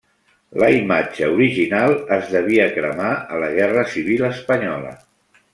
La imatge original es devia cremar a la Guerra Civil espanyola.